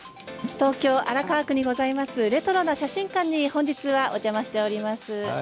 東京荒川区にございますレトロな写真館にお邪魔しております。